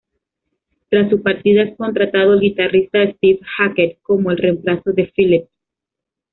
Tras su partida es contratado el guitarrista Steve Hackett como el reemplazo de Phillips.